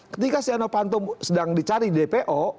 ketika siano pantum sedang dicari di dpo